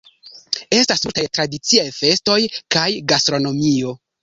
Estas multaj tradiciaj festoj kaj gastronomio.